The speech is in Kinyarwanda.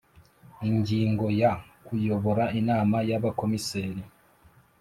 Ingingo ya kuyobora inama y abakomiseri